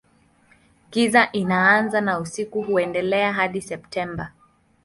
Giza inaanza na usiku huendelea hadi Septemba.